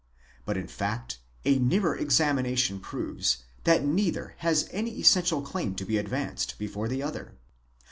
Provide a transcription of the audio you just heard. But in fact, a nearer examination proves, that neither has any essential claim to be advanced before the other.